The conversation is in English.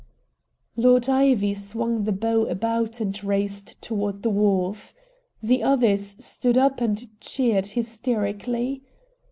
Lord Ivy swung the bow about and raced toward the wharf. The others stood up and cheered hysterically.